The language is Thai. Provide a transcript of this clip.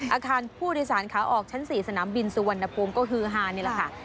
อาคารผู้โดยสารขาออกชั้น๔สนามบินสุวรรณภูมิก็คือฮานี่แหละค่ะ